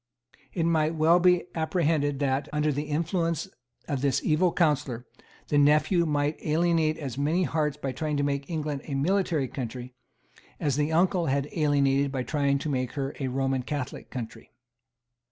It might well be apprehended that, under the influence of this evil counsellor, the nephew might alienate as many hearts by trying to make England a military country as the uncle had alienated by trying to make her a Roman Catholic country.